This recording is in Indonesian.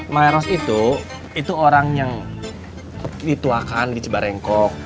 miros itu itu orang yang dituakan dicebarengkok